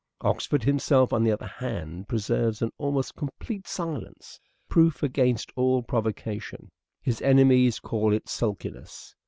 Oxford himself, on the other hand, preserves an almost complete silence, proof against all provocation ; his enemies call it sulkiness.